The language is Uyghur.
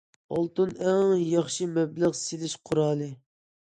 ئالتۇن ئەڭ ياخشى مەبلەغ سېلىش قورالى.